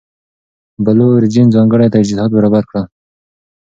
بلو اوریجن ځانګړي تجهیزات برابر کړل.